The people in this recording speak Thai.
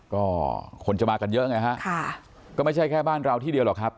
ก็คนจะมากันเยอะไงฮะค่ะก็ไม่ใช่แค่บ้านเราที่เดียวหรอกครับ